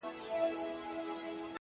• دا ستا د سترگو په كتاب كي گراني ،